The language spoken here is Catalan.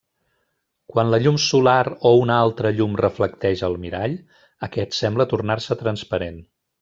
Quan la llum solar o una altra llum reflecteix al mirall, aquest sembla tornar-se transparent.